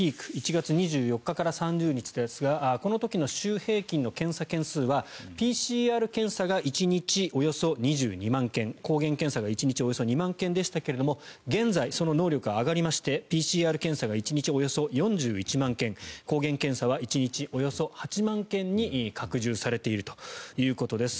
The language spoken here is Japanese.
１月２４日から３０日ですがこの時の週平均の検査件数はＰＣＲ検査が１日およそ２２万件抗原検査が１日およそ２２万件でしたが現在、その能力は上がりましてＰＣＲ検査が１日およそ４１万件抗原検査は１日およそ８万件に拡充されているということです。